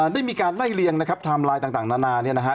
ได้มีการไล่เลียงนะครับต่างนานาเนี่ยนะฮะ